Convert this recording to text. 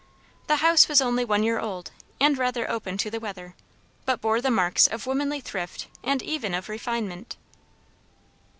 The house was only one year old, and rather open to the weather, but bore the marks of womanly thrift and even of refinement.